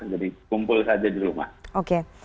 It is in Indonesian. jadi kumpul saja di rumah